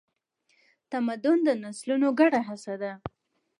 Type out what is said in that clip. تمدن د نسلونو ګډه هڅه ده.